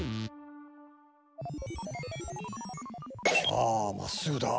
ああまっすぐだ。